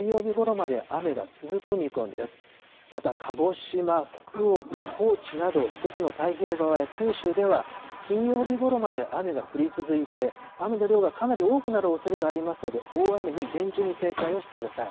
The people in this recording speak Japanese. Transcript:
また鹿児島、福岡、高知など、四国の太平洋側や九州では金曜日ごろまで雨が降り続いて、雨の量がかなり多くなるおそれがありますので、大雨に厳重に警戒をしてください。